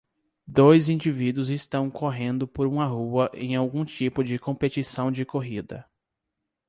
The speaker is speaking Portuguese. Dois indivíduos estão correndo por uma rua em algum tipo de competição de corrida.